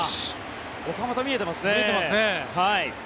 岡本、見えてますね。